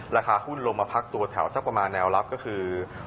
ราคาหุ้นลงมาพักตัวแถวสักประมาณแนวรับก็คือ